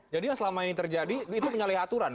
jadi yang selama ini terjadi itu menyalahi aturan